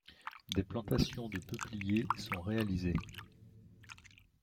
Des plantations de peupliers sont réalisées.